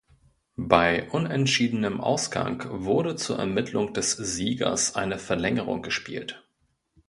Bei unentschiedenem Ausgang wurde zur Ermittlung des Siegers eine Verlängerung gespielt.